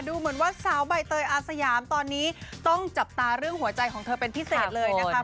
ดูเหมือนว่าสาวใบเตยอาสยามตอนนี้ต้องจับตาเรื่องหัวใจของเธอเป็นพิเศษเลยนะคะ